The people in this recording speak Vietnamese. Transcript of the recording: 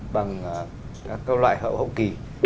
bằng các câu loại hậu hậu kì